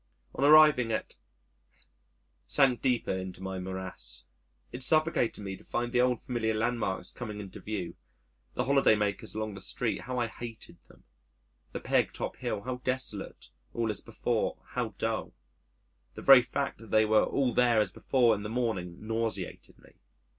On arriving at , sank deeper into my morass. It suffocated me to find the old familiar landmarks coming into view ... the holiday makers along the streets how I hated them the Peg Top Hill how desolate all as before how dull. The very fact that they were all there as before in the morning nauseated me.